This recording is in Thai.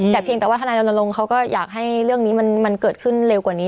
แต่เพียงแต่ว่าทนายรณรงค์เขาก็อยากให้เรื่องนี้มันเกิดขึ้นเร็วกว่านี้